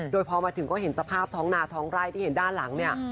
โดยพอมาถึงก็เห็นสภาพท้องนาท้องไร่ที่เห็นด้านหลังเนี่ย